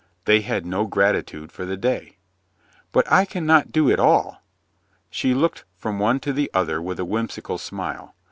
They had no gratitude for the day. "But I can not do it all." She looked from one to the other with a whimsical smile.